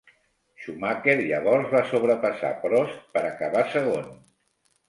Schumacher llavors va sobrepassar Prost per acabar segon.